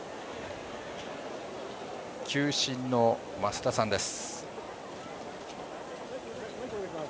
球審の増田さんです。